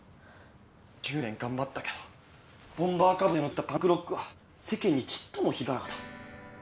１０年頑張ったけどボンバーカブセの作ったパンクロックは世間にちっとも響かなかった。